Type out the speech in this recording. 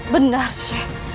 benar sheik masih hangat